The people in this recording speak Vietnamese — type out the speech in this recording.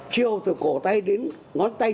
chiều từ cổ tay đến ngón tay